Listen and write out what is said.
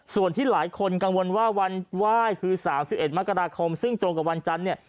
ส่วนที่หลายคนกังวลว่าวันไหว้คือ๓๑มกราคมซึ่งตรงกับวันจันทร์เนี่ย